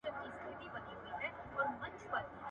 • د پيشي چي لا نفس تنگ سي د زمري جنگ کوي.